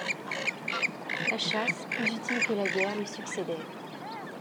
La chasse, plus utile que la guerre, lui succédait.